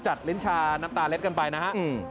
จัดลิ้นชาน้ำตาเล็ตกันไปนะครับ